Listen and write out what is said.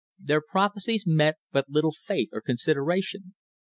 Their prophecies met but little faith or consideration.